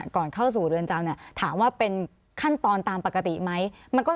ก่อนเข้าสู่เรือนจำเนี่ยถามว่าเป็นขั้นตอนตามปกติไหม